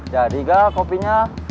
jadi gak kopinya